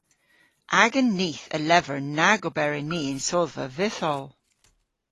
Agan nith a lever na oberyn ni yn sodhva vytholl.